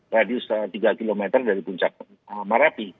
radius tiga km dari puncak marapi